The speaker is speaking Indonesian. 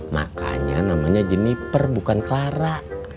makanya namanya jeniper bukan clara